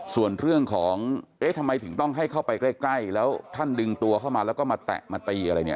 ส่วนเรื่องของเอ๊ะทำไมถึงต้องให้เข้าไปใกล้แล้วท่านดึงตัวเข้ามาแล้วก็มาแตะมาตีอะไรเนี่ย